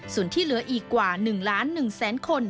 ส่วนที่เหลืออีกกว่า๑๑๐๐๐๐๐คน